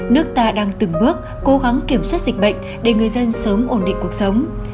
nước ta đang từng bước cố gắng kiểm soát dịch bệnh để người dân sớm ổn định cuộc sống